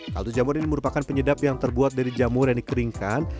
kaldu jamur ini merupakan penyedap yang terbuat dari jamur yang dikeringkan